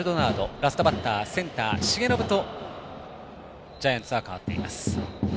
ラストバッター、センター重信とジャイアンツは代わっています。